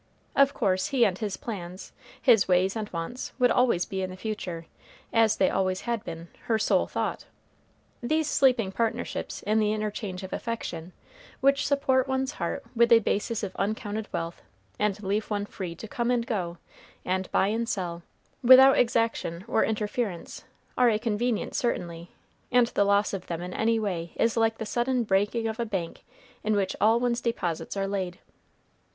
Of course he and his plans, his ways and wants, would always be in the future, as they always had been, her sole thought. These sleeping partnerships in the interchange of affection, which support one's heart with a basis of uncounted wealth, and leave one free to come and go, and buy and sell, without exaction or interference, are a convenience certainly, and the loss of them in any way is like the sudden breaking of a bank in which all one's deposits are laid.